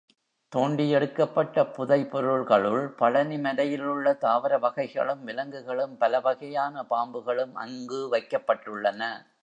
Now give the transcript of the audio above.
தோண்டி யெடுக்கப்பட்ட புதைபொருள்களும் பழனி மலையிலுள்ள தாவர வகைகளும், விலங்குகளும், பலவகையான பாம்புகளும் அங்கு வைக்கப்பட்டுள்ளன.